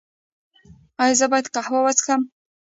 ایا زه باید قهوه وڅښم؟